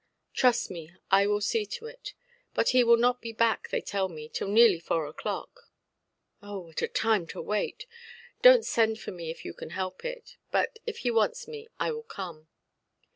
"Trust me. I will see to it. But he will not be back, they tell me, till nearly four oʼclock". "Oh, what a time to wait! Donʼt send for me if you can help it. But, if he wants me, I will come".